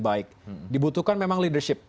baik dibutuhkan memang leadership